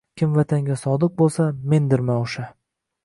Kim vatanga sodiq bo‘lsa, mendirman o‘sha